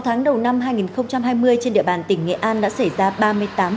sáu tháng đầu năm hai nghìn hai mươi trên địa bàn tỉnh nghệ an đã xảy ra ba mươi tám vụ